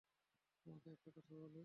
তোমাকে একটা কথা বলি?